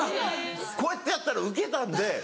こうやってやったらウケたんで。